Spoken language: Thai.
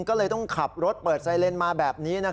ก็เลยต้องขับรถเปิดไซเลนมาแบบนี้